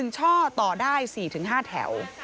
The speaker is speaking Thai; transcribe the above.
ช่อต่อได้๔๕แถว